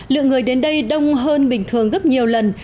lượng người đến đây đông hơn bình thường gấp nhiều lần